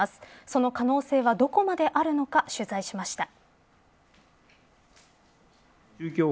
その可能性はどこまであるのか取材しました。